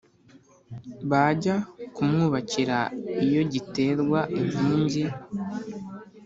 bajya ku mwubakira iyo giterwa inkingi